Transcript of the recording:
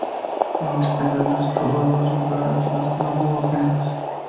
En el Espanyol estuvo dos temporadas en las que no jugó apenas.